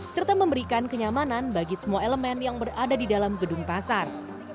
serta memberikan kenyamanan bagi semua elemen yang berada di dalam gedung pasar